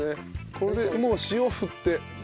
これでもう塩振って。